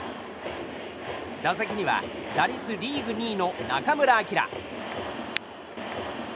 打席には打率リーグ２位の中村晃。